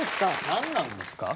何なんですか？